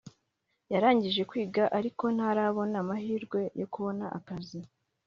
yarangije kwiga ariko ntarabona amahirwe yo kubona akazi